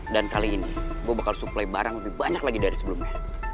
dan kali ini gue bakal supply barang lebih banyak lagi dari sebelumnya